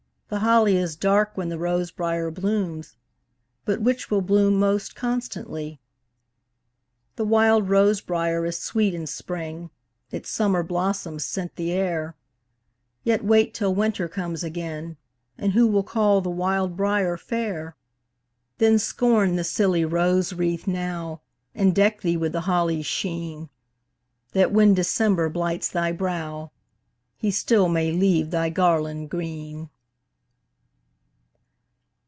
The holly is dark when the rose briar blooms, But which will bloom most constantly? The wild rose briar is sweet in spring, Its summer blossoms scent the air; Yet wait till winter comes again, And who will call the wild briar fair? Then, scorn the silly rose wreath now, And deck thee with the holly's sheen, That, when December blights thy brow, He still may leave thy garland green.